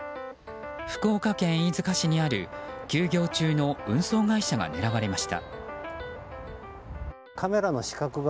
福岡県飯塚市にある休業中の運送会社が狙われました。